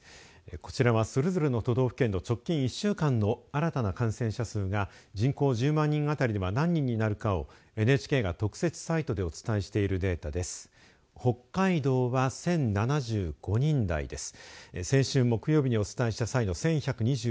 こちらは、それぞれの都道府県の直近１週間当たりの新たな患者数が人口１０万人当たりでは何人になるかをＮＨＫが特設サイトでお伝えしているデータです。